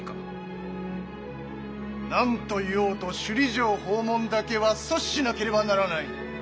何と言おうと首里城訪問だけは阻止しなければならない！